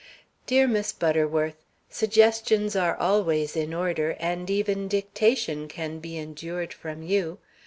Dear Miss Butterworth: Suggestions are always in order, and even dictation can be endured from you.